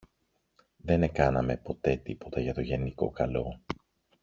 δεν εκάναμε ποτέ τίποτα για το γενικό καλό.